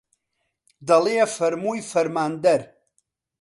دەڵێ فەرمووی فەرماندەر